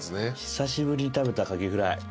久しぶりに食べたカキフライ。